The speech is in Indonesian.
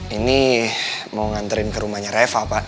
ini mau nganterin ke rumahnya reva pak